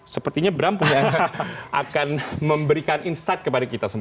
sepertinya bram akan memberikan insight kepada kita semua